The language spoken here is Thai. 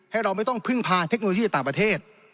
เราไม่ต้องพึ่งพาเทคโนโลยีต่างประเทศ